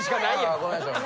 あごめんなさい。